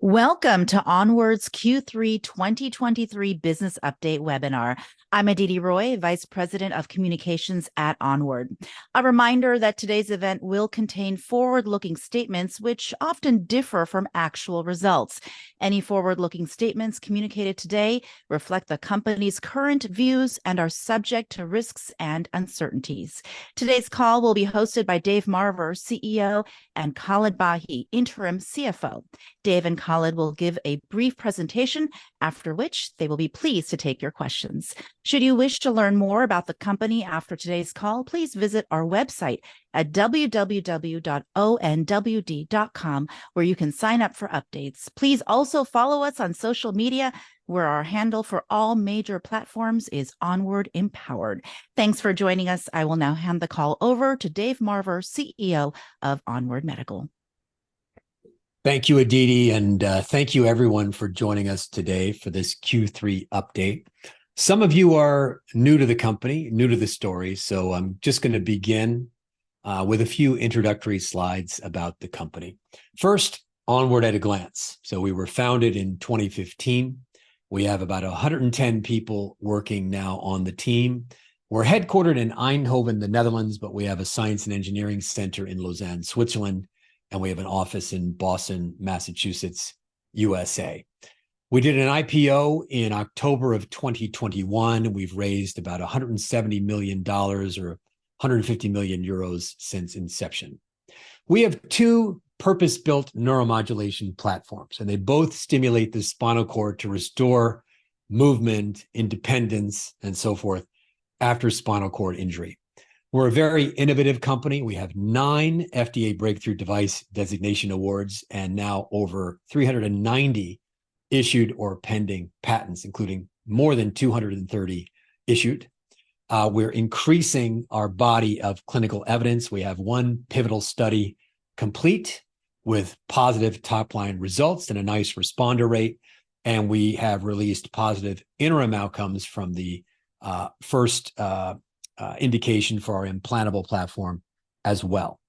Welcome to ONWARD's Q3 2023 business update webinar. I'm Aditi Roy, Vice President of Communications at ONWARD. A reminder that today's event will contain forward-looking statements which often differ from actual results. Any forward-looking statements communicated today reflect the company's current views and are subject to risks and uncertainties. Today's call will be hosted by Dave Marver, CEO, and Khaled Bahi, Interim CFO. Dave and Khaled will give a brief presentation, after which they will be pleased to take your questions. Should you wish to learn more about the company after today's call, please visit our website at www.onwd.com, where you can sign up for updates. Please also follow us on social media, where our handle for all major platforms is onwardempowered. Thanks for joining us. I will now hand the call over to Dave Marver, CEO of ONWARD Medical. Thank you, Aditi, and thank you everyone for joining us today for this Q3 update. Some of you are new to the company, new to the story, so I'm just gonna begin with a few introductory slides about the company. First, ONWARD at a glance. We were founded in 2015. We have about 110 people working now on the team. We're headquartered in Eindhoven, the Netherlands, but we have a science and engineering center in Lausanne, Switzerland, and we have an office in Boston, Massachusetts, USA. We did an IPO in October of 2021. We've raised about $170 million, or 150 million euros, since inception. We have two purpose-built neuromodulation platforms, and they both stimulate the spinal cord to restore movement, independence, and so forth, after spinal cord injury. We're a very innovative company. We have 9 FDA Breakthrough Device Designation awards, and now over 390 issued or pending patents, including more than 230 issued. We're increasing our body of clinical evidence. We have 1 pivotal study complete, with positive top-line results and a nice responder rate, and we have released positive interim outcomes from the first indication for our implantable platform as well.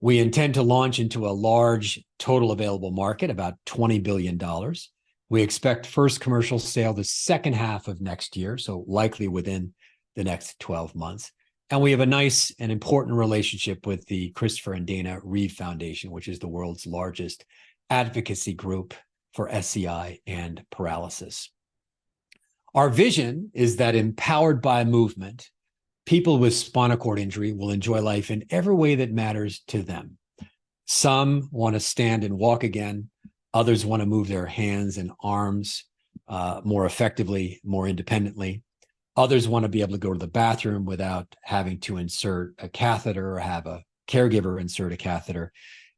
We intend to launch into a large total available market, about $20 billion. We expect first commercial sale the second half of next year, so likely within the next 12 months. We have a nice and important relationship with the Christopher & Dana Reeve Foundation, which is the world's largest advocacy group for SCI and paralysis. Our vision is that, empowered by movement, people with spinal cord injury will enjoy life in every way that matters to them. Some want to stand and walk again, others want to move their hands and arms more effectively, more independently. Others want to be able to go to the bathroom without having to insert a catheter or have a caregiver insert a catheter.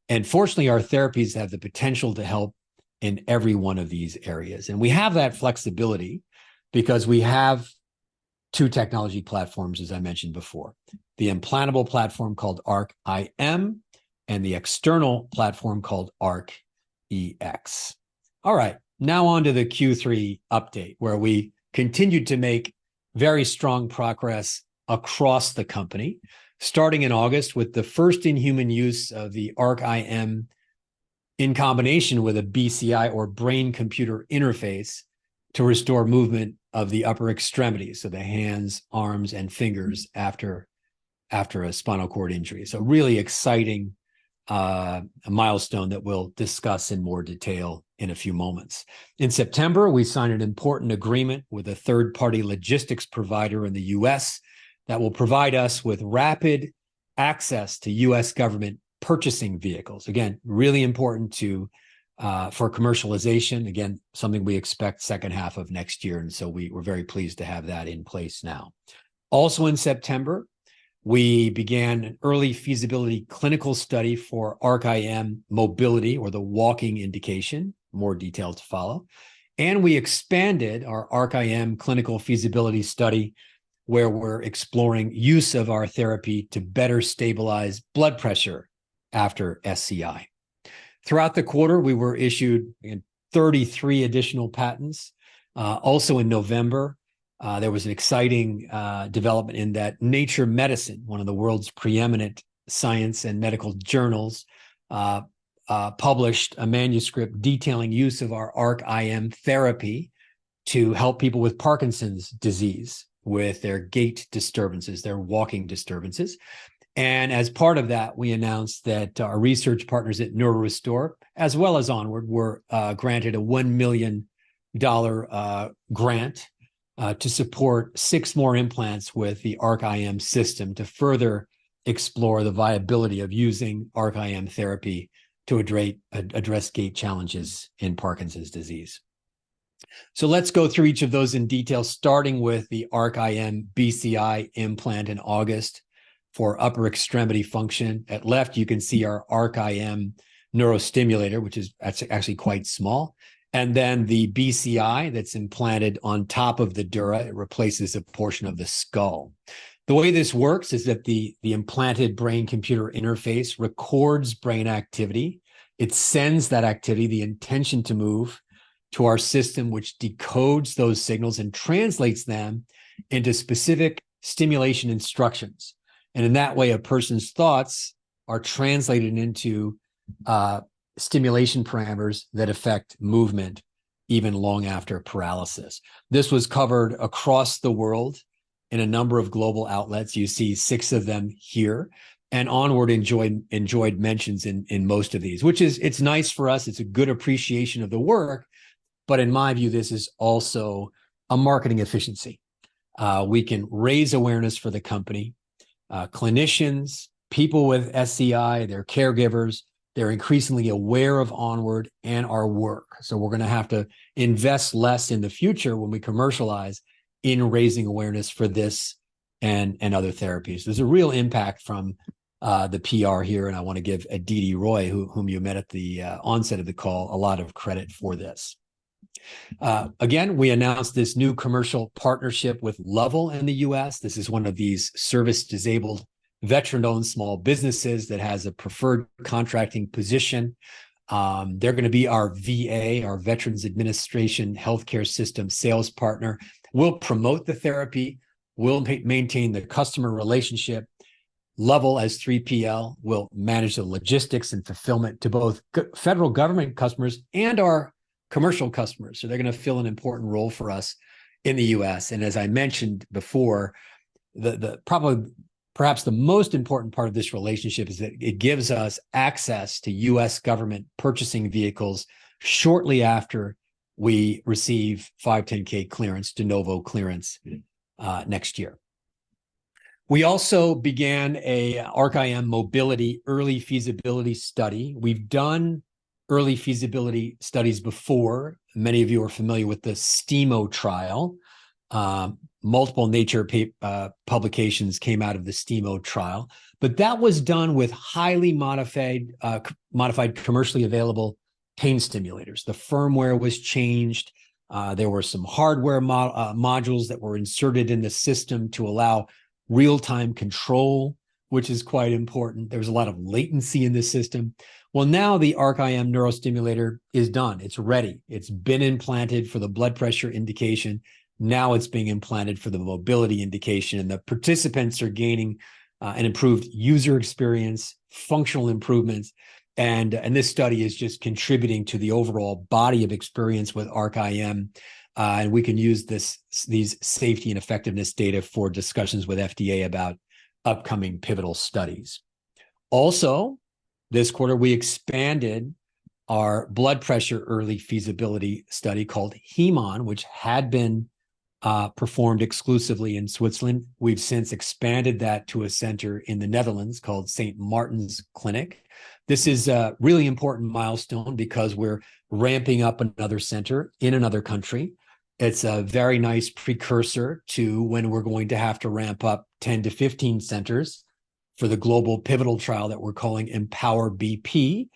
And fortunately, our therapies have the potential to help in every one of these areas, and we have that flexibility because we have two technology platforms, as I mentioned before: the implantable platform called ARC-IM and the external platform called ARC-EX. All right, now on to the Q3 update, where we continued to make very strong progress across the company, starting in August with the first in human use of the ARC-IM in combination with a BCI, or brain-computer interface, to restore movement of the upper extremities, so the hands, arms, and fingers, after a spinal cord injury. So really exciting milestone that we'll discuss in more detail in a few moments. In September, we signed an important agreement with a third-party logistics provider in the U.S. that will provide us with rapid access to U.S. government purchasing vehicles. Again, really important to for commercialization. Again, something we expect second half of next year, and so we're very pleased to have that in place now. Also in September, we began an early feasibility clinical study for ARC-IM mobility, or the walking indication, more detail to follow, and we expanded our ARC-IM clinical feasibility study, where we're exploring use of our therapy to better stabilize blood pressure after SCI. Throughout the quarter, we were issued 33 additional patents. Also in November, there was an exciting development in that Nature Medicine, one of the world's preeminent science and medical journals, published a manuscript detailing use of our ARC-IM therapy to help people with Parkinson's disease, with their gait disturbances, their walking disturbances. As part of that, we announced that our research partners at NeuroRestore, as well as Onward, were granted a $1 million grant to support 6 more implants with the ARC-IM system to further explore the viability of using ARC-IM therapy to address gait challenges in Parkinson's disease. So let's go through each of those in detail, starting with the ARC-IM BCI implant in August for upper extremity function. At left, you can see our ARC-IM neurostimulator, which is actually quite small, and then the BCI that's implanted on top of the dura. It replaces a portion of the skull. The way this works is that the implanted brain-computer interface records brain activity. It sends that activity, the intention to move, to our system, which decodes those signals and translates them into specific stimulation instructions, and in that way, a person's thoughts are translated into stimulation parameters that affect movement even long after paralysis. This was covered across the world in a number of global outlets. You see six of them here, and ONWARD enjoyed, enjoyed mentions in, in most of these, which is it's nice for us, it's a good appreciation of the work, but in my view, this is also a marketing efficiency. We can raise awareness for the company. Clinicians, people with SCI, their caregivers, they're increasingly aware of ONWARD and our work. So we're gonna have to invest less in the future when we commercialize in raising awareness for this and other therapies. There's a real impact from the PR here, and I want to give Aditi Roy, whom you met at the onset of the call, a lot of credit for this. Again, we announced this new commercial partnership with Level in the U.S. This is one of these service-disabled, veteran-owned small businesses that has a preferred contracting position. They're gonna be our VA, our Veterans Administration healthcare system sales partner. We'll promote the therapy, we'll maintain the customer relationship. Level, as 3PL, will manage the logistics and fulfillment to both federal government customers and our commercial customers. So they're gonna fill an important role for us in the U.S. And as I mentioned before, the perhaps the most important part of this relationship is that it gives us access to U.S. government purchasing vehicles shortly after we receive 510(k) clearance, de novo clearance, next year. We also began a ARC-IM mobility early feasibility study. We've done early feasibility studies before. Many of you are familiar with the STIMO trial. Multiple Nature publications came out of the STIMO trial, but that was done with highly modified commercially available pain stimulators. The firmware was changed, there were some hardware modules that were inserted in the system to allow real-time control, which is quite important. There was a lot of latency in the system. Well, now the ARC-IM neurostimulator is done. It's ready. It's been implanted for the blood pressure indication, now it's being implanted for the mobility indication, and the participants are gaining, an improved user experience, functional improvements, and, and this study is just contributing to the overall body of experience with ARC-IM. And we can use this- these safety and effectiveness data for discussions with FDA about upcoming pivotal studies. Also, this quarter, we expanded our blood pressure early feasibility study called HemON, which had been, performed exclusively in Switzerland. We've since expanded that to a center in the Netherlands called St. Maartenskliniek. This is a really important milestone because we're ramping up another center in another country. It's a very nice precursor to when we're going to have to ramp up 10-15 centers for the global pivotal trial that we're calling EmpowerBP,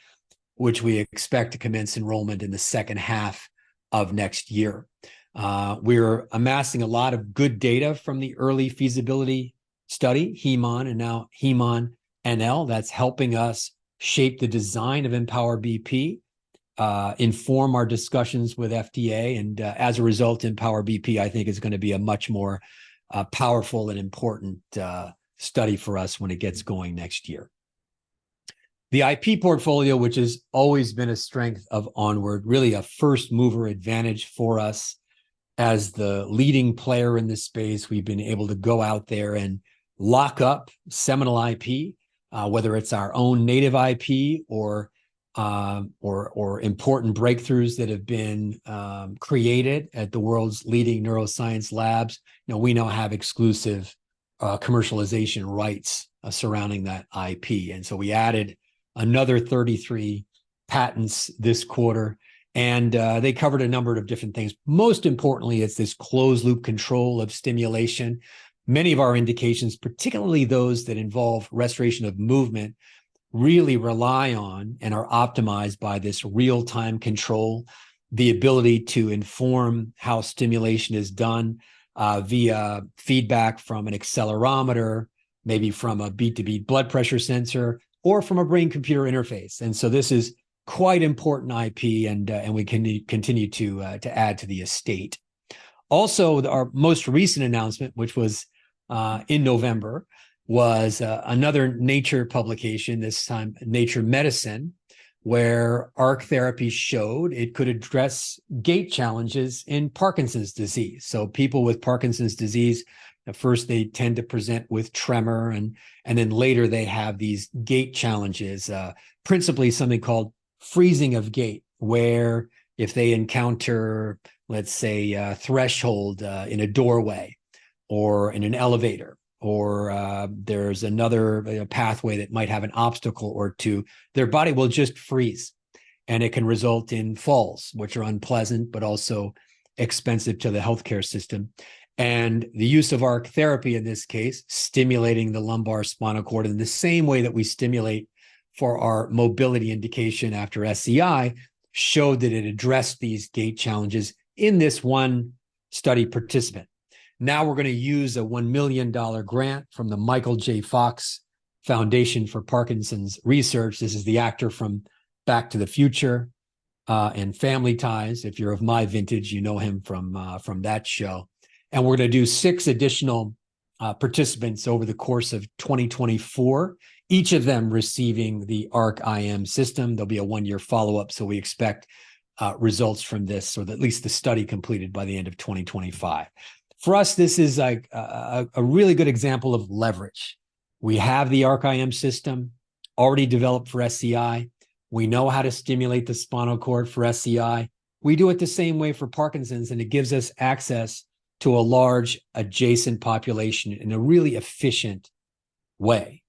which we expect to commence enrollment in the second half of next year. We're amassing a lot of good data from the early feasibility study, HemON and now HemON-NL, that's helping us shape the design of EmpowerBP, inform our discussions with FDA, and, as a result, EmpowerBP, I think, is gonna be a much more, powerful and important, study for us when it gets going next year. The IP portfolio, which has always been a strength of ONWARD, really a first-mover advantage for us as the leading player in this space. We've been able to go out there and lock up seminal IP, whether it's our own native IP, or important breakthroughs that have been created at the world's leading neuroscience labs. Now we have exclusive commercialization rights surrounding that IP. And so we added another 33 patents this quarter, and they covered a number of different things. Most importantly, it's this closed-loop control of stimulation. Many of our indications, particularly those that involve restoration of movement, really rely on and are optimized by this real-time control, the ability to inform how stimulation is done via feedback from an accelerometer, maybe from a B2B blood pressure sensor, or from a brain-computer interface. And so this is quite important IP, and we continue to add to the estate. Also, our most recent announcement, which was in November, was another Nature publication, this time Nature Medicine, where ARC Therapy showed it could address gait challenges in Parkinson's disease. So people with Parkinson's disease, at first, they tend to present with tremor, and, and then later they have these gait challenges, principally something called freezing of gait, where if they encounter, let's say, a threshold in a doorway or in an elevator, or, there's another, a pathway that might have an obstacle or two, their body will just freeze, and it can result in falls, which are unpleasant but also expensive to the healthcare system. And the use of ARC Therapy in this case, stimulating the lumbar spinal cord in the same way that we stimulate for our mobility indication after SCI, showed that it addressed these gait challenges in this one study participant. Now we're gonna use a $1 million grant from the Michael J. Fox Foundation for Parkinson's Research. This is the actor from Back to the Future... and Family Ties. If you're of my vintage, you know him from, from that show. And we're gonna do 6 additional participants over the course of 2024, each of them receiving the ARC-IM system. There'll be a one-year follow-up, so we expect results from this, or at least the study completed by the end of 2025. For us, this is, like, a really good example of leverage. We have the ARC-IM system already developed for SCI. We know how to stimulate the spinal cord for SCI. We do it the same way for Parkinson's, and it gives us access to a large adjacent population in a really efficient way.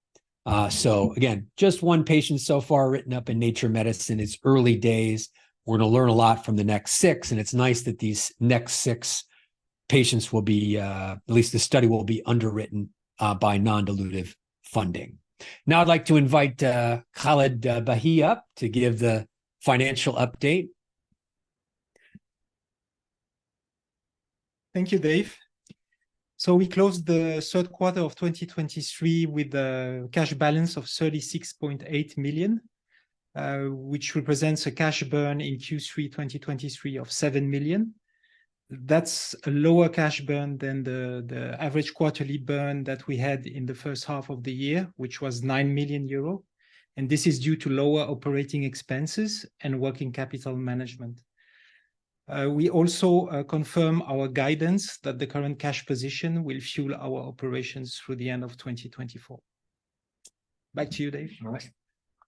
So again, just one patient so far written up in Nature Medicine. It's early days. We're gonna learn a lot from the next six, and it's nice that these next six patients will be, at least the study will be underwritten, by non-dilutive funding. Now I'd like to invite, Khaled Bahi up to give the financial update. Thank you, Dave. So we closed the third quarter of 2023 with a cash balance of 36.8 million, which represents a cash burn in Q3 2023 of 7 million. That's a lower cash burn than the, the average quarterly burn that we had in the first half of the year, which was 9 million euro, and this is due to lower operating expenses and working capital management. We also confirm our guidance that the current cash position will fuel our operations through the end of 2024. Back to you, Dave. All right.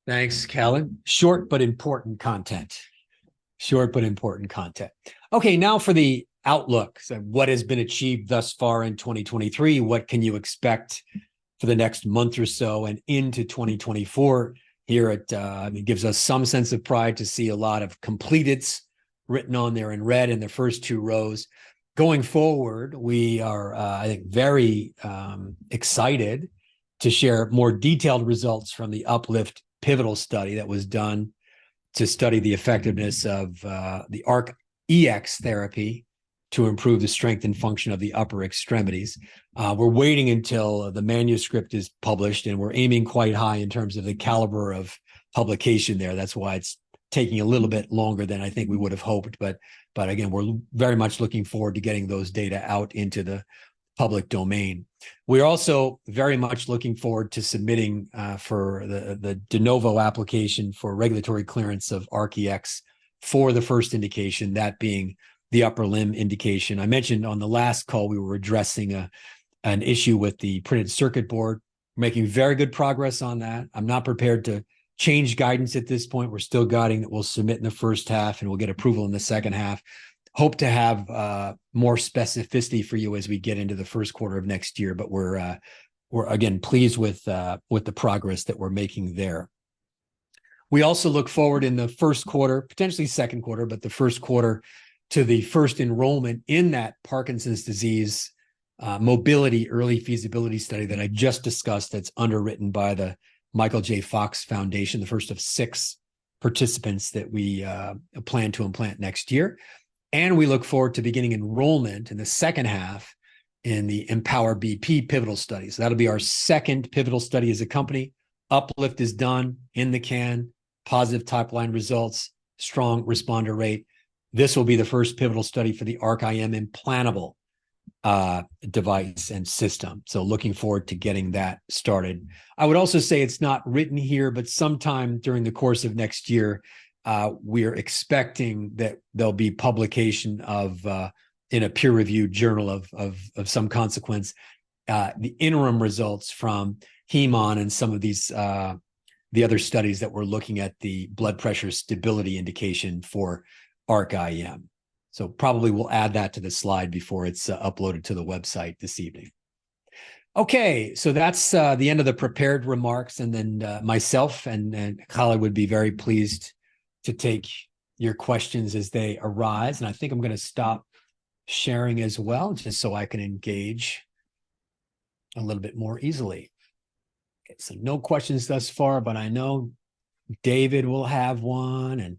Thanks, Khaled. Short but important content. Short but important content. Okay, now for the outlook. So what has been achieved thus far in 2023? What can you expect for the next month or so and into 2024 here at. It gives us some sense of pride to see a lot of completions written on there in red in the first two rows. Going forward, we are, I think, very, excited to share more detailed results from the Up-LIFT pivotal study that was done to study the effectiveness of, the ARC-EX Therapy to improve the strength and function of the upper extremities. We're waiting until, the manuscript is published, and we're aiming quite high in terms of the caliber of publication there. That's why it's taking a little bit longer than I think we would have hoped, but again, we're very much looking forward to getting those data out into the public domain. We're also very much looking forward to submitting for the De novo application for regulatory clearance of ARC-EX for the first indication, that being the upper limb indication. I mentioned on the last call we were addressing an issue with the printed circuit board, making very good progress on that. I'm not prepared to change guidance at this point. We're still guiding that we'll submit in the first half, and we'll get approval in the second half. Hope to have more specificity for you as we get into the first quarter of next year, but we're again pleased with the progress that we're making there. We also look forward in the first quarter, potentially second quarter, but the first quarter, to the first enrollment in that Parkinson's disease, mobility early feasibility study that I just discussed, that's underwritten by the Michael J. Fox Foundation, the first of six participants that we, plan to implant next year. We look forward to beginning enrollment in the second half in the Empower BP pivotal study. That'll be our second pivotal study as a company. Up-LIFT is done in the can, positive top-line results, strong responder rate. This will be the first pivotal study for the ARC-IM implantable, device and system, so looking forward to getting that started. I would also say it's not written here, but sometime during the course of next year, we're expecting that there'll be publication of in a peer-reviewed journal of some consequence the interim results from HemON and some of these, the other studies that we're looking at the blood pressure stability indication for ARC-IM. So probably we'll add that to the slide before it's uploaded to the website this evening. Okay, so that's the end of the prepared remarks, and then, myself and Khaled would be very pleased to take your questions as they arise. And I think I'm gonna stop sharing as well, just so I can engage a little bit more easily. Okay, so no questions thus far, but I know David will have one, and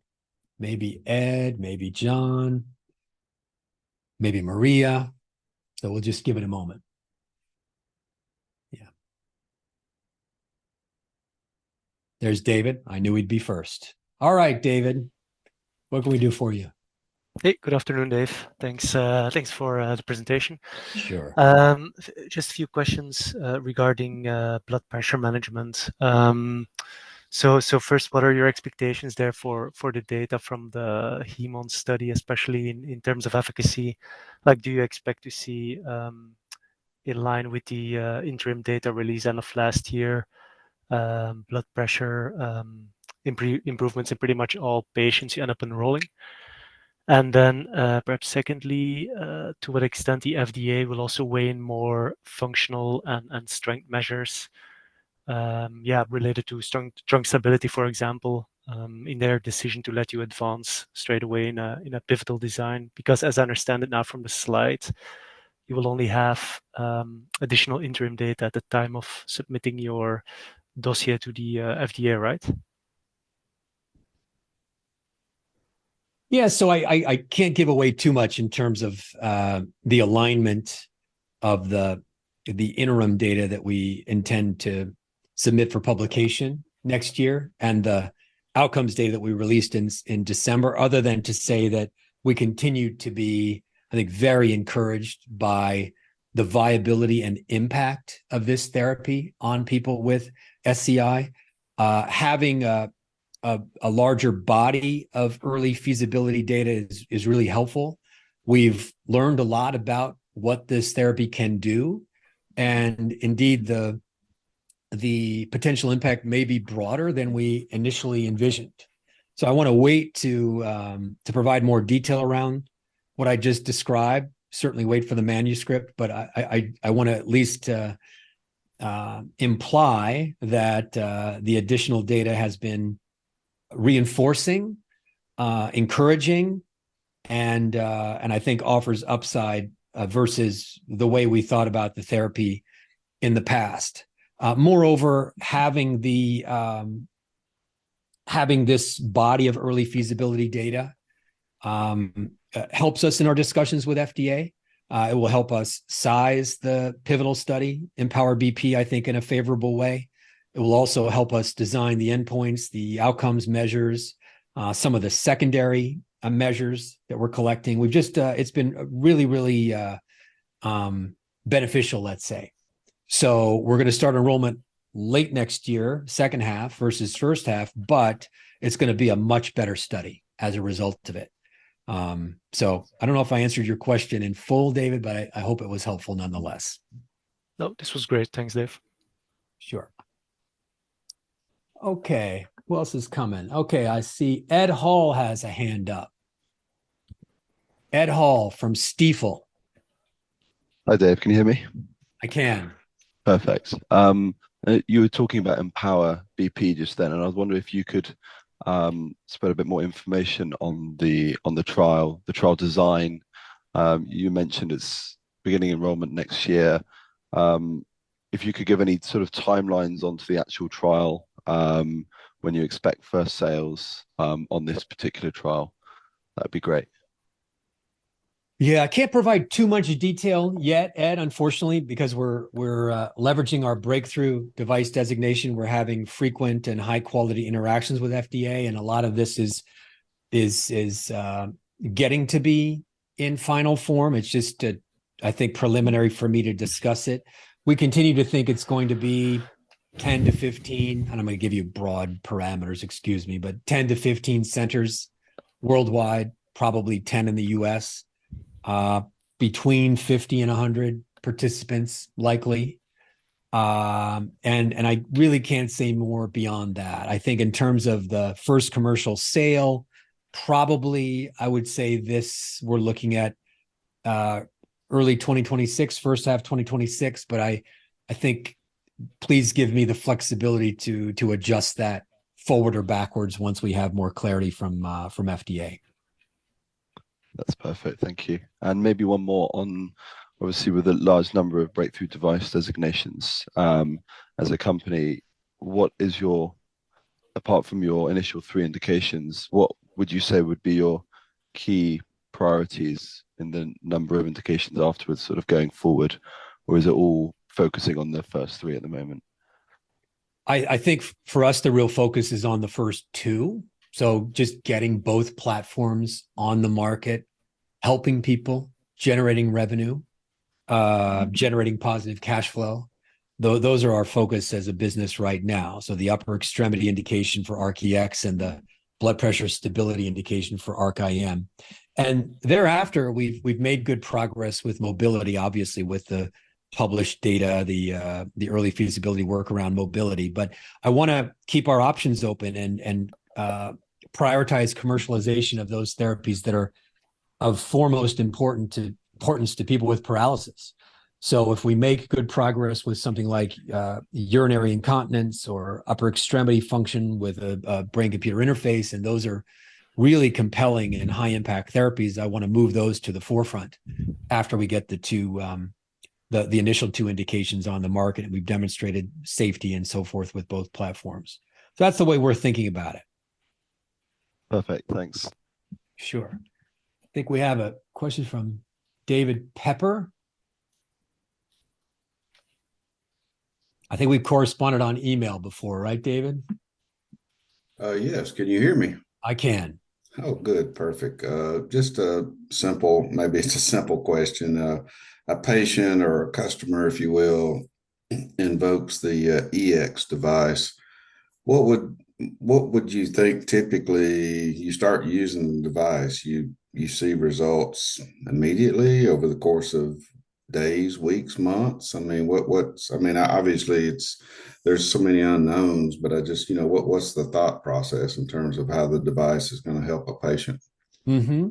maybe Ed, maybe John, maybe Maria. So we'll just give it a moment. Yeah. There's David. I knew he'd be first. All right, David, what can we do for you? Hey, good afternoon, Dave. Thanks, thanks for the presentation. Sure. Just a few questions regarding blood pressure management. So first, what are your expectations there for the data from the HemON study, especially in terms of efficacy? Like, do you expect to see in line with the interim data release end of last year blood pressure improvements in pretty much all patients you end up enrolling? And then, perhaps secondly, to what extent the FDA will also weigh in more functional and strength measures, yeah, related to trunk stability, for example, in their decision to let you advance straight away in a pivotal design? Because as I understand it now from the slide, you will only have additional interim data at the time of submitting your dossier to the FDA, right? Yeah, so I can't give away too much in terms of the alignment of the interim data that we intend to submit for publication next year, and the outcomes data that we released in December, other than to say that we continue to be, I think, very encouraged by the viability and impact of this therapy on people with SCI. Having a larger body of early feasibility data is really helpful. We've learned a lot about what this therapy can do, and indeed, the potential impact may be broader than we initially envisioned. So I wanna wait to provide more detail around what I just described, certainly wait for the manuscript, but I wanna at least imply that the additional data has been reinforcing, encouraging, and I think offers upside versus the way we thought about the therapy in the past. Moreover, having this body of early feasibility data helps us in our discussions with FDA. It will help us size the pivotal study, Empower BP, I think, in a favorable way. It will also help us design the endpoints, the outcomes measures, some of the secondary measures that we're collecting. We've just... It's been really, really beneficial, let's say. So we're gonna start enrollment late next year, second half versus first half, but it's gonna be a much better study as a result of it. So I don't know if I answered your question in full, David, but I hope it was helpful nonetheless. No, this was great. Thanks, Dave. Sure. Okay, who else is coming? Okay, I see Ed Hall has a hand up. Ed Hall from Stifel. Hi, Dave. Can you hear me? I can. Perfect. You were talking about Empower BP just then, and I was wondering if you could spread a bit more information on the trial, the trial design. You mentioned it's beginning enrollment next year. If you could give any sort of timelines onto the actual trial, when you expect first sales on this particular trial, that'd be great. Yeah, I can't provide too much detail yet, Ed, unfortunately, because we're leveraging our Breakthrough Device Designation. We're having frequent and high-quality interactions with FDA, and a lot of this is getting to be in final form. It's just, I think, preliminary for me to discuss it. We continue to think it's going to be 10-15, and I'm gonna give you broad parameters, excuse me, but 10-15 centers worldwide, probably 10 in the U.S. Between 50 participants and 100 participants, likely. And I really can't say more beyond that. I think in terms of the first commercial sale, probably I would say this, we're looking at early 2026, first half 2026, but I think please give me the flexibility to adjust that forward or backwards once we have more clarity from FDA. That's perfect. Thank you. And maybe one more on... Obviously, with a large number of breakthrough device designations, as a company, what is your- apart from your initial three indications, what would you say would be your key priorities in the number of indications afterwards, sort of going forward, or is it all focusing on the first three at the moment? I, I think for us, the real focus is on the first two, so just getting both platforms on the market, helping people, generating revenue, generating positive cash flow. Those are our focus as a business right now, so the upper extremity indication for ARC-EX and the blood pressure stability indication for ARC-IM. And thereafter, we've, we've made good progress with mobility, obviously, with the published data, the early feasibility work around mobility. But I wanna keep our options open and, and, prioritize commercialization of those therapies that are of foremost importance to people with paralysis. So if we make good progress with something like, urinary incontinence or upper extremity function with a brain computer interface, and those are really compelling and high-impact therapies, I wanna move those to the forefront... after we get the two, the initial two indications on the market, and we've demonstrated safety and so forth with both platforms. So that's the way we're thinking about it. Perfect, thanks. Sure. I think we have a question from David Pepper. I think we've corresponded on email before, right, David? Yes. Can you hear me? I can. Oh, good. Perfect. Just a simple, maybe it's a simple question. A patient or a customer, if you will, invokes the EX device, what would you think, typically, you start using the device, you see results immediately, over the course of days, weeks, months? I mean, what... I mean, obviously, it's—there's so many unknowns, but I just... You know, what's the thought process in terms of how the device is gonna help a patient? Mm-hmm.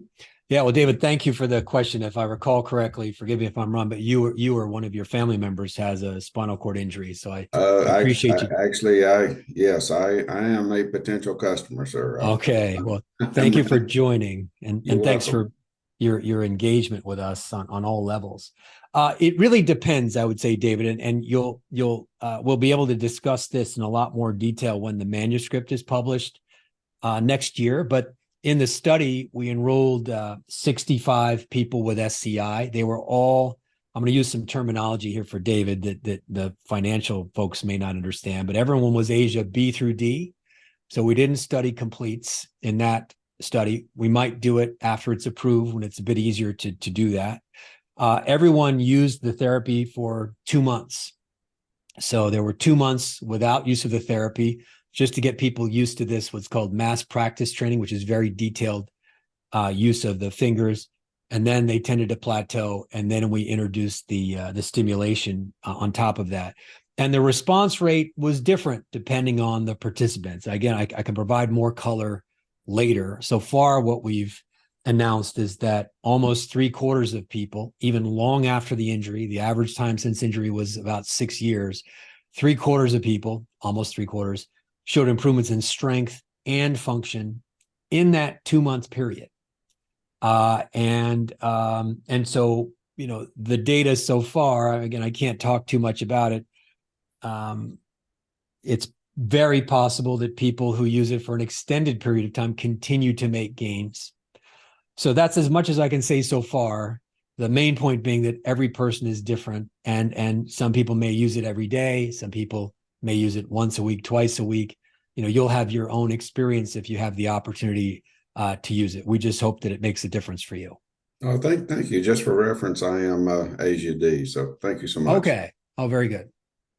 Yeah, well, David, thank you for the question. If I recall correctly, forgive me if I'm wrong, but you or one of your family members has a spinal cord injury, so I- Appreciate you. Actually, yes, I am a potential customer, sir. Okay. Well, thank you for joining- You're welcome... and thanks for your engagement with us on all levels. It really depends, I would say, David, and you'll, we'll be able to discuss this in a lot more detail when the manuscript is published next year, but in the study, we enrolled 65 people with SCI. They were all... I'm gonna use some terminology here for David that the financial folks may not understand, but everyone was ASIA B through D. So we didn't study completes in that study. We might do it after it's approved, when it's a bit easier to do that. Everyone used the therapy for two months, so there were two months without use of the therapy, just to get people used to this, what's called mass practice training, which is very detailed use of the fingers, and then they tended to plateau, and then we introduced the stimulation on top of that. The response rate was different depending on the participants. Again, I can provide more color later. So far, what we've announced is that almost three-quarters of people, even long after the injury, the average time since injury was about six years, three-quarters of people, almost three-quarters, showed improvements in strength and function in that two-month period. And so, you know, the data so far, again, I can't talk too much about it, it's very possible that people who use it for an extended period of time continue to make gains. So that's as much as I can say so far. The main point being that every person is different, and some people may use it every day, some people may use it once a week, twice a week. You know, you'll have your own experience if you have the opportunity to use it. We just hope that it makes a difference for you. Oh, thank you. Just for reference, I am ASIA D, so thank you so much. Okay. Oh, very good.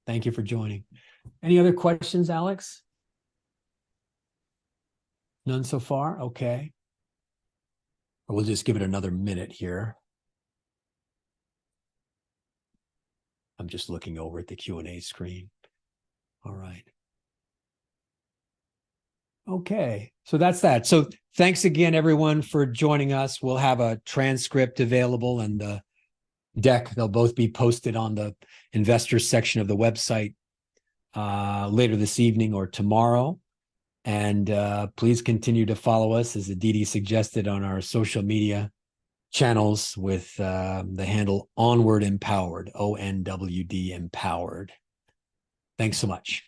Thank you for joining. Any other questions, Alex? None so far? Okay. We'll just give it another minute here. I'm just looking over at the Q&A screen. All right. Okay, so that's that. So thanks again, everyone, for joining us. We'll have a transcript available and a deck. They'll both be posted on the investor section of the website later this evening or tomorrow, and please continue to follow us, as Aditi suggested, on our social media channels with the handle Onward Empowered, O-N-W-D Empowered. Thanks so much.